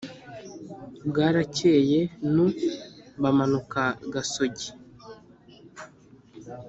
Bwarakeye nu, bamanuka Gasogi,